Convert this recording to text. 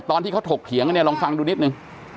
ตอนที่เขาถกเถียงกันเนี่ยลองฟังดูนิดนึง